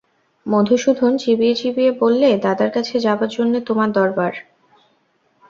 মধুসূদন চিবিয়ে চিবিয়ে বললে, দাদার কাছে যাবার জন্যে তোমার দরবার?